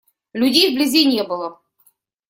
Людей вблизи не было.